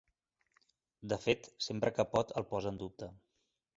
De fet, sempre que pot el posa en dubte.